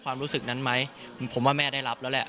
ความรู้สึกนั้นไหมผมว่าแม่ได้รับแล้วแหละ